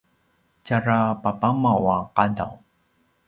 tjara papamaw a qadaw